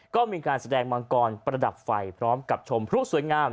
ก็มีการแสดงมังกรประดับไฟพร้อมกับชมพลุสวยงาม